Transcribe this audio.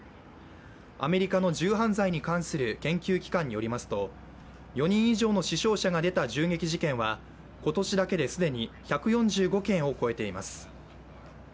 アメリカの銃犯罪に関する研究機関によりますと４人以上の死傷者が出た銃撃事件は今年だけで既に１４５件を超えています。